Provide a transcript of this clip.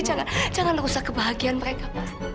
jangan jangan rusak kebahagiaan mereka pak